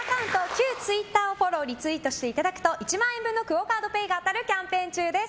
旧ツイッターをフォローリツイートしていただくと１万円分のＱＵＯカードＰａｙが当たるキャンペーン中です。